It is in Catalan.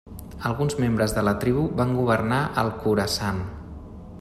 Alguns membres de la tribu van governar el Khorasan.